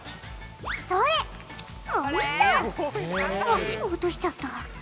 ああ落としちゃった。